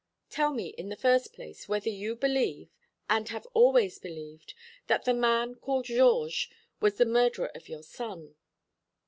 Tell me in the first place whether you believe and have always believed that the man called Georges was the murderer of your son."